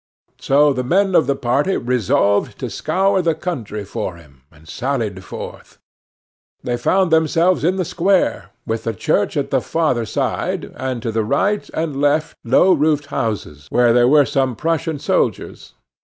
So the men of the party resolved to scour the country for him, and sallied forth. They found them selves in the square, with the church at the farther side, and to right and left low roofed houses where there were some Prussian soldiers.